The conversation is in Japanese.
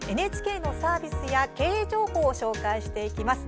ＮＨＫのサービスや経営情報を紹介していきます。